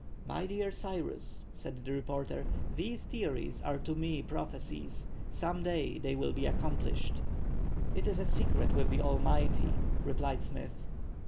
"My dear Cyrus," said the reporter, "these theories are to me prophesies. Some day they will be accomplished." "It is a secret with the Almighty," replied Smith.